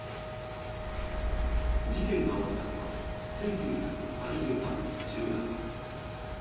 事件が起きたのは１９８３年１０月。